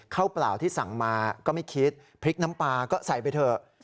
เปล่าที่สั่งมาก็ไม่คิดพริกน้ำปลาก็ใส่ไปเถอะ